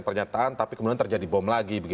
pernyataan tapi kemudian terjadi bom lagi